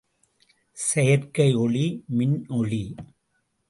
செயற்கை ஒளி மின்னொளி.